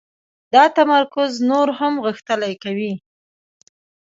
دا تمرکز نور هم غښتلی کوي